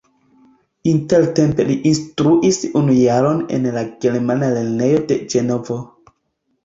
Intertempe li instruis unu jaron en la germana lernejo de Ĝenovo.